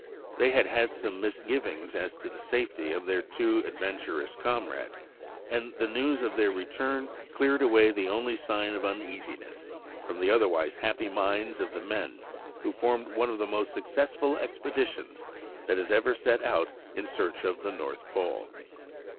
They had had some misgivings as to the safety of their two adventurous comrades, and the news of their return cleared away the only sign of uneasiness from the otherwise happy minds of the men who formed one of the most successful expeditions that has ever set out in search of the North Pole.